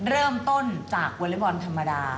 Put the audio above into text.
เริ่มต้นจากวอเล็กบอลธรรมดา